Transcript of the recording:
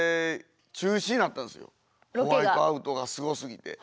ホワイトアウトがすごすぎて。